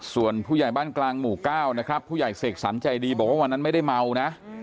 ส่วนผู้ใหญ่บ้านกลางหมู่๙นะครับผู้ใหญ่เสกสรรใจดีบอกว่าวันนั้นไม่ได้เมานะ